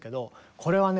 これはね